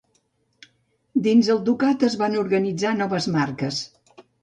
Dins el ducat es van organitzar noves marques: